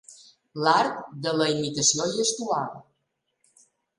L'art de la imitació gestual.